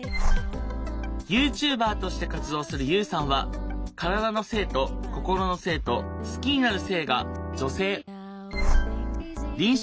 ＹｏｕＴｕｂｅｒとして活動するＵさんは体の性と心の性と好きになる性が女性。